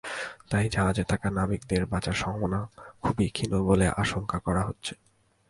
তাই জাহাজে থাকা নাবিকদের বাঁচার সম্ভাবনা খুবই ক্ষীণ বলে আশঙ্কা করা হচ্ছে।